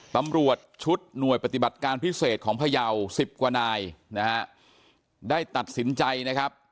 ตำรวจชุดหน่วยปฏิบัติการพิเศษของพยาวสิบกว่านายนะฮะได้ตัดสินใจนะครับ